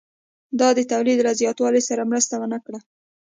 دا د تولید له زیاتوالي سره مرسته ونه کړه